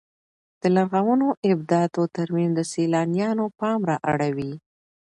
د لرغونو ابداتو ترمیم د سیلانیانو پام را اړوي.